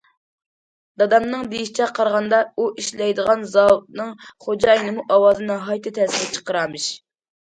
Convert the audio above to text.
دادامنىڭ دېيىشىگە قارىغاندا، ئۇ ئىشلەيدىغان زاۋۇتنىڭ خوجايىنىمۇ ئاۋازىنى ناھايىتى تەسىرلىك چىقىرارمىش.